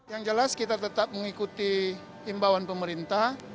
yang jelas kita tetap mengikuti imbauan pemerintah